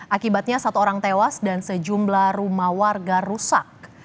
akibatnya satu orang tewas dan sejumlah rumah warga rusak